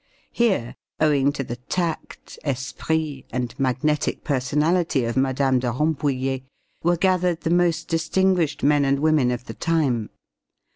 Here, owing to the tact, esprit, and magnetic personality of Mme. de Rambouillet, were gathered the most distinguished men and women of the time.